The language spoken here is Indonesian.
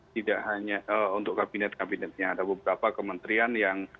tidak hanya untuk kabinet kabinetnya ada beberapa kementerian yang